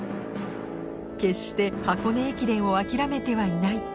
決して箱根駅伝を諦めてはいない